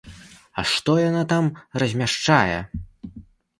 Што яна там размяшчае?